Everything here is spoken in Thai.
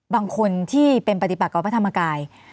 บางคนที่เป็นปฏิบัติกับพระธรรมกาย